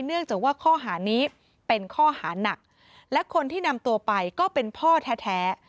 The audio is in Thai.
เนื่องจากว่าข้อหานี้เป็นข้อหานักและคนที่นำตัวไปก็เป็นพ่อแท้